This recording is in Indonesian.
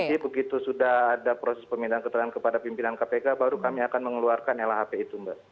nanti begitu sudah ada proses pemindahan keterangan kepada pimpinan kpk baru kami akan mengeluarkan lhp itu mbak